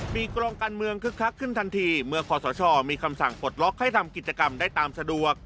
กรงการเมืองคึกคักขึ้นทันทีเมื่อขอสชมีคำสั่งปลดล็อกให้ทำกิจกรรมได้ตามสะดวก